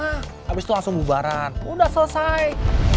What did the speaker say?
habis itu langsung bubaran udah selesai